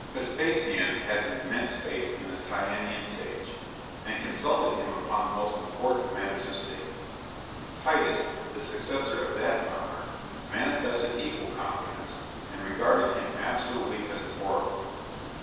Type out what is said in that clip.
Vespasian had immense faith in the Tyanean sage, and consulted him upon the most important matters of State. Titus, the successor of that monarch, manifested equal confidence, and regarded him absolutely as an oracle.